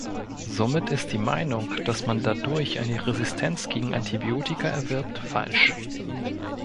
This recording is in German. Somit ist die Meinung, dass man dadurch eine Resistenz gegen Antibiotika erwirbt, falsch.